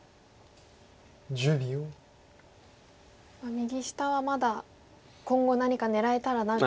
右下はまだ今後何か狙えたらなぐらいの。